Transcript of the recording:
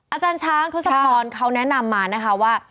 อาจารย์ช้างทศพรเขาแนะนำมานะคะว่า